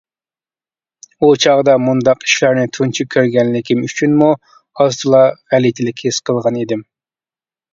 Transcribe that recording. ئۇ چاغدا مۇنداق ئىشلارنى تۇنجى كۆرگەنلىكىم ئۈچۈنمۇ ئاز-تولا غەلىتىلىك ھېس قىلغان ئىدىم.